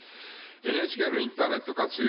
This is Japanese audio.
ＮＨＫのインターネット活用